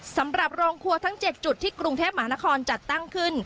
สำหรับโรงครัวทั้ง๗จุดที่กรุงเทพหมานครจัดตั้งขึ้น